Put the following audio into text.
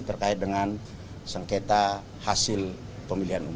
terkait dengan sengketa hasil pemilihan umum